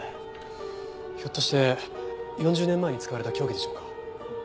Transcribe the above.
ひょっとして４０年前に使われた凶器でしょうか？